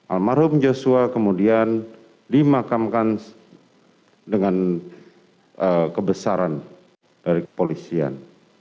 almarhum joshua kemudian dimakamkan dengan kebesaran dari kepolisian